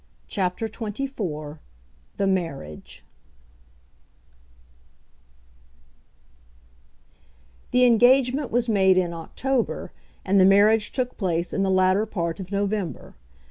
CHAPTER XXIV The Marriage The engagement was made in October, and the marriage took place in the latter part of November.